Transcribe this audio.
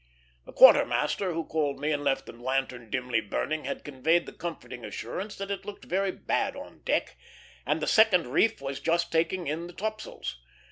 The quartermaster, who called me and left the lantern dimly burning, had conveyed the comforting assurance that it looked very bad on deck, and the second reef was just taking in the topsails.